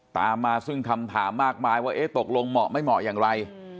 ตามมาซึ่งคำถามมากมายว่าเอ๊ะตกลงเหมาะไม่เหมาะอย่างไร